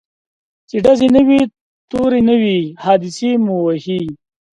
چي ډزي نه وي توری نه وي حادثې مو وهي